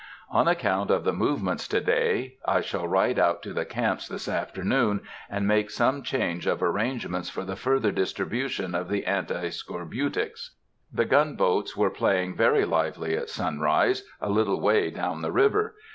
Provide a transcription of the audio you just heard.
On account of the movements to day, I shall ride out to the camps this afternoon, and make some change of arrangements for the further distribution of the anti scorbutics. The gunboats were playing very lively at sunrise, a little way down the river.